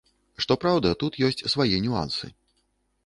Што праўда, тут ёсць свае нюансы.